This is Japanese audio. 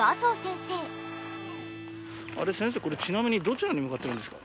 先生これちなみにどちらに向かってるんですか？